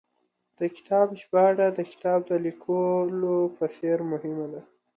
د کتاب ژباړه، د کتاب د لیکلو په څېر مهمه ده